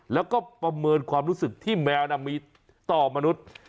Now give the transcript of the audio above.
แล้วก็ประเมินความรู้สึกที่แมวมีต่อมนุษย์